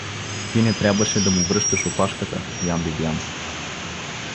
— Ти не трябваше да му връщаш опашката, Ян Бибиян.